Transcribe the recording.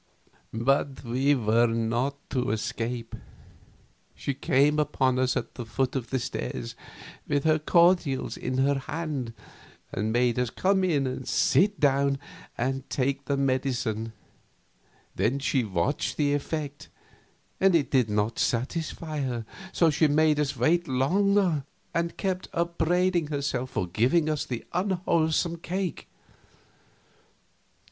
But we were not to escape. She came upon us at the foot of the stairs, with her cordials in her hands, and made us come in and sit down and take the medicine. Then she watched the effect, and it did not satisfy her; so she made us wait longer, and kept upbraiding herself for giving us the unwholesome cake.